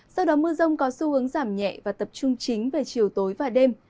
sau đó mưa rông có xu hướng giảm nhẹ và tập trung chính về chiều tối và đêm